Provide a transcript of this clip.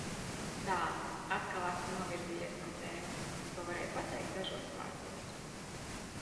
Tā, atkal esmu novirzījies no tēmas – to varēju pateikt dažos vārdos.